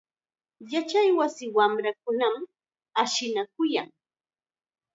Yachaywasi wamrakunam ashanakuyan.